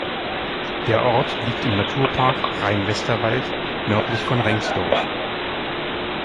Der Ort liegt im Naturpark Rhein-Westerwald nördlich von Rengsdorf.